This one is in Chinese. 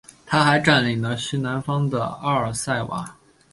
他还占领了西南方的阿尔萨瓦。